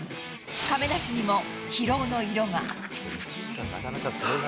亀梨にも疲労の色が。